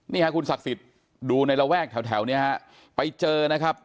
นี่ค่ะคุณศักดิ์สิทธิ์ดูในระแวกแถวเนี่ยฮะไปเจอนะครับ